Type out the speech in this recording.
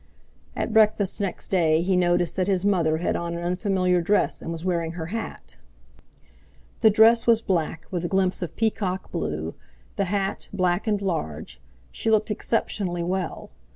At breakfast next day he noticed that his mother had on an unfamiliar dress and was wearing her hat. The dress was black with a glimpse of peacock blue, the hat black and large—she looked exceptionally well.